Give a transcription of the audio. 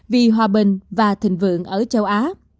vì hòa bình và thịnh vượng ở châu á